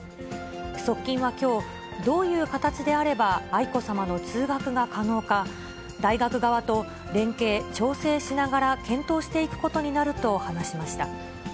側近はきょう、どういう形であれば愛子さまの通学が可能か、大学側と連携、調整しながら検討していくことになると話しました。